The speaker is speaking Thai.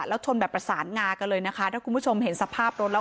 แล้วชนแบบประสานงากันเลยนะคะถ้าคุณผู้ชมเห็นสภาพรถแล้ว